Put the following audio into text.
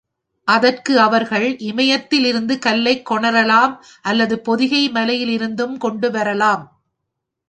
அதற்கு அவர்கள், இமயத்தில் இருந்து கல்லைக் கொணரலாம் அல்லது பொதிகை மலையில் இருந்தும் கொண்டு வரலாம்.